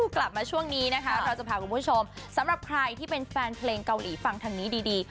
กลับมาช่วงนี้นะคะเราจะพาคุณผู้ชมสำหรับใครที่เป็นแฟนเพลงเกาหลีฟังทางนี้ดี